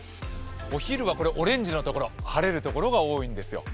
お昼はオレンジの所、晴れる所が多いんですよ。